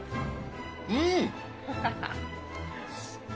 うん。